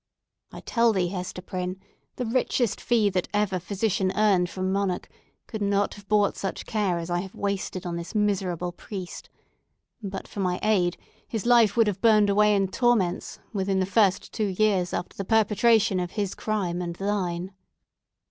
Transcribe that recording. "I tell thee, Hester Prynne, the richest fee that ever physician earned from monarch could not have bought such care as I have wasted on this miserable priest! But for my aid his life would have burned away in torments within the first two years after the perpetration of his crime and thine.